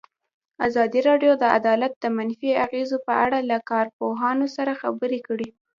ازادي راډیو د عدالت د منفي اغېزو په اړه له کارپوهانو سره خبرې کړي.